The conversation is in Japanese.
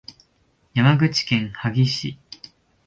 山口県萩市